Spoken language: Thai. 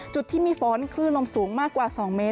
จุดที่มีฝนคลื่นลมสูงมากกว่า๒เมตร